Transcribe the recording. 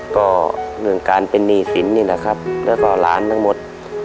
ก็เรื่องการเป็นหนี้สินนี่แหละครับแล้วก็หลานทั้งหมด